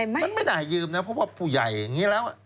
มันไม่น่ายืมนะเพราะว่าผู้ใหญ่อย่างนี้แล้ว